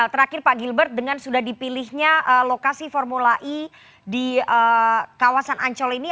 terakhir pak gilbert dengan sudah dipilihnya lokasi formula e di kawasan ancol ini